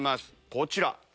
こちら。